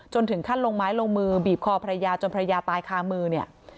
ถึงขั้นลงไม้ลงมือบีบคอภรรยาจนภรรยาตายคามือเนี่ย